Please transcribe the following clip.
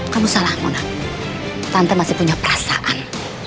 kamu salah mona tante masih punya perasaan